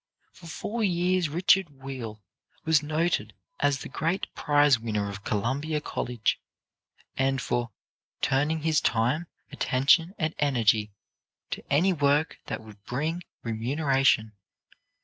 For four years Richard Weil was noted as the great prize winner of Columbia College, and for "turning his time, attention and energy to any work that would bring remuneration."